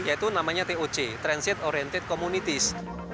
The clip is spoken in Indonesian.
yaitu namanya toc transit oriented communities